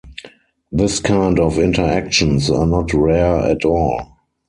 This kind of interactions are not rare at all.